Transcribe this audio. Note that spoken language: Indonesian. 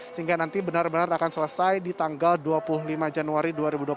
sehingga nanti benar benar akan selesai di tanggal dua puluh lima januari dua ribu dua puluh tiga